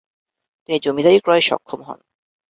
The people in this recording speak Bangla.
তিনি জমিদারি ক্রয়ে সক্ষম হন।